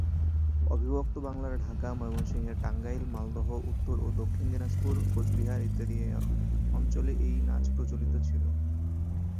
অবিভক্ত বাংলার ঢাকা, ময়মনসিংহের টাঙ্গাইল, মালদহ, উত্তর ও দক্ষিণ দিনাজপুর, কোচবিহার ইত্যাদি অঞ্চলে এই নাচ প্রচলিত ছিল।